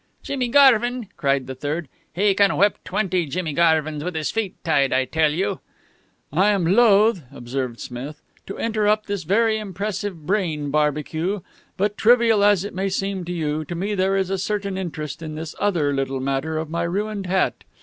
"Jimmy Garvin!" cried the third. "He can whip twenty Jimmy Garvins with his feet tied. I tell you " "I am loath," observed Smith, "to interrupt this very impressive brain barbecue, but, trivial as it may seem to you, to me there is a certain interest in this other little matter of my ruined hat.